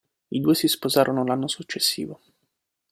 I due si sposarono l'anno successivo.